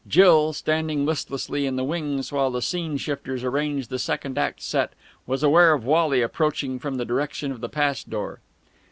Jill, standing listlessly in the wings while the scene shifters arranged the Second Act set, was aware of Wally approaching from the direction of the pass door.